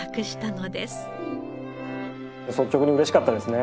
率直に嬉しかったですね。